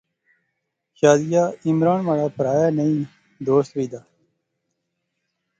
شازیہ عمران مہاڑا پرہا ایہہ نی دوست وی دا